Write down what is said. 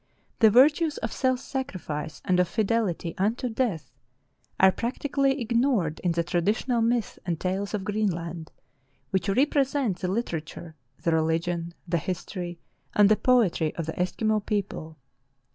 The virtues of self sacrifice and of fidelity unto death are practically ignored in the traditional myths and tales of Greenland, which represent the literature, the religion, the history, and the poetry of the Eskimo people.